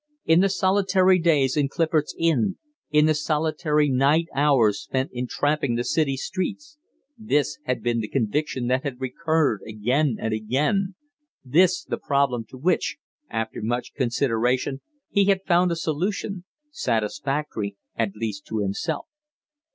In the solitary days in Clifford's Inn, in the solitary night hours spent in tramping the city streets, this had been the conviction that had recurred again and again, this the problem to which, after much consideration, he had found a solution satisfactory at least to himself.